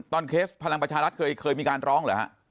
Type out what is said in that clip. ตอนเวลาภารกาศายศาสตร์ก็เคยมีการร้องหรอฮะ